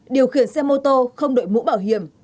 điều khiển xe mô tô không đội mũ bảo hiểm